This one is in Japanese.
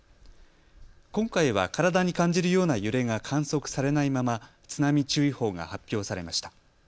今回は体に感じるような揺れが観測されないまま津波注意報が発表されました。